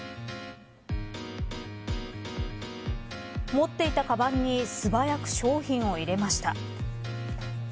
持っていたかばんに素早く商品を入れました。